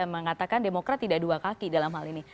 mengatakan demokrat tidak dua kaki dalam hal ini